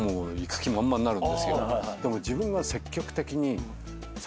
でも自分が積極的にその。